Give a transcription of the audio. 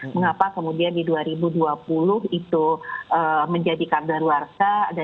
mengapa kemudian di dua ribu dua puluh itu menjadi kader luar